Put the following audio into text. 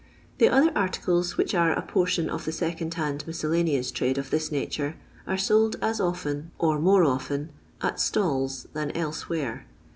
The other articles which are a portion of the second hand miscellaneous trade of this nature are sold as often, or more often, at stalls than else where.